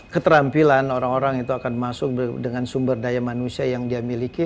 keterampilan orang orang itu akan masuk dengan sumber daya manusia yang dia miliki